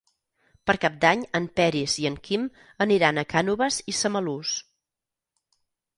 Per Cap d'Any en Peris i en Quim aniran a Cànoves i Samalús.